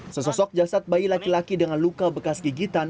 sesosok jasad bayi laki laki dengan luka bekas gigitan